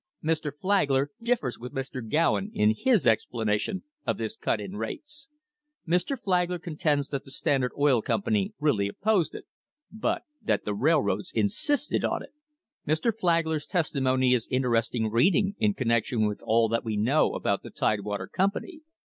Mr. Flagler differs with Mr. Gowen in his explanation of this cut in rates. Mr. Flagler con tends that the Standard Oil Company really opposed it, but that the railroads insisted on it. Mr. Flagler's testimony is interesting reading in connection with all that we know about the Tidewater Company.